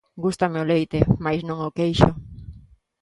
Gústame o leite, mais non o queixo